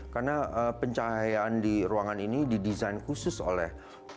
karena pencahayaan di ruangan ini didesain khusus oleh